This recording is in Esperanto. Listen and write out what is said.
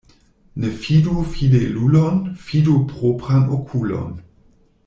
Ne fidu fidelulon, fidu propran okulon.